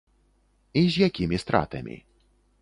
І з якімі стратамі.